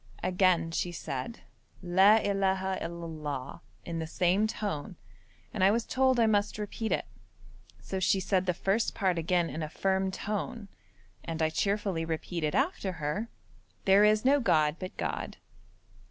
Again she said 'La illaha il Allah' in the same tone, and I was told I must repeat it. So she said the first part again in a firm tone, and I cheerfully repeated after her, 'There is no god but God.'